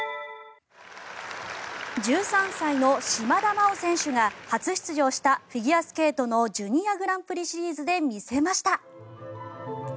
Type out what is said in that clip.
１３歳の島田麻央選手が初出場したフィギュアスケートのジュニアグランプリシリーズで見せました。